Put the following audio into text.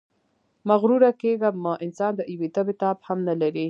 مغروره کېږئ مه، انسان د یوې تبې تاب هم نلري.